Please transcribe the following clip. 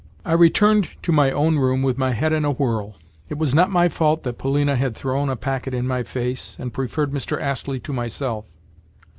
I returned to my own room with my head in a whirl. It was not my fault that Polina had thrown a packet in my face, and preferred Mr. Astley to myself.